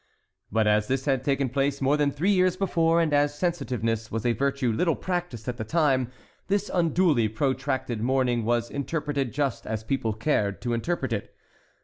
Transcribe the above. But as this had taken place more than three years before, and as sensitiveness was a virtue little practised at that time, this unduly protracted mourning was interpreted just as people cared to interpret it.